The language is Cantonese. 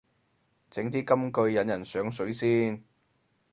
整啲金句引人上水先